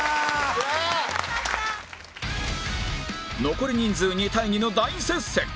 残り人数２対２の大接戦